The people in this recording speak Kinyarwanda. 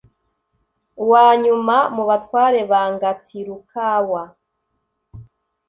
uwanyuma mu batware ba ngatirukawa